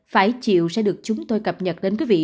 phải chịu sẽ được chúng tôi cập nhật đến quý vị